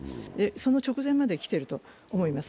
その直前まで来ていると思います。